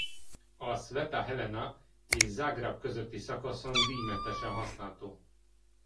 A Sveta Helena és Zágráb közötti szakaszon díjmentesen használható.